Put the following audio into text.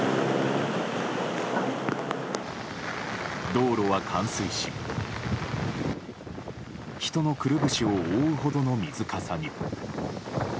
道路は冠水し、人のくるぶしを覆うほどの水かさに。